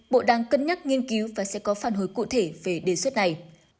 bộ đang cân nhắc nghiên cứu và sẽ có phản hồi cụ thể về đề xuất này